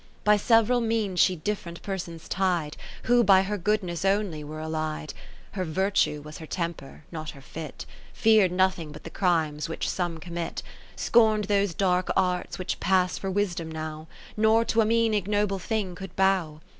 By several means she different per sons tied. Who by her goodness only were allied. 50 Her Virtue was her temper, not her fit; Fear'd nothing but the crimes which some commit ; Scorn'd those dark arts which pass for wisdom now. Nor to a mean ignoble thing could bow.